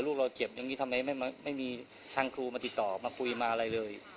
ลูกเราเจ็บอย่างนี้ทำไมไม่มีทางครูมาติดต่อมาคุยมาอะไรเลย